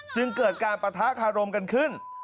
จึงเกิดการปะทะคารมกันขึ้น